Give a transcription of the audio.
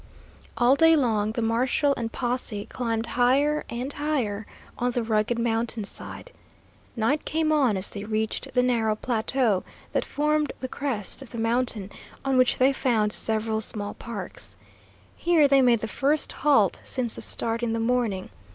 All day long the marshal and posse climbed higher and higher on the rugged mountainside. Night came on as they reached the narrow plateau that formed the crest of the mountain, on which they found several small parks. Here they made the first halt since the start in the morning.